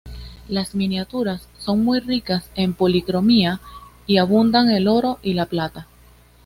Las miniaturas son muy ricas en policromía y abundan el oro y la plata.